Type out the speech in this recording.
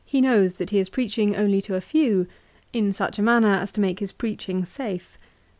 knows that he is preaching only to a few, in such a manner as to make his preaching safe.